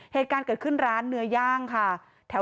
เหตุการณ์เกิดขึ้นร้านเนื้อย่างค่ะ